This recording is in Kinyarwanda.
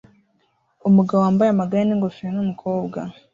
Umugabo wambaye amagare yingofero numukobwa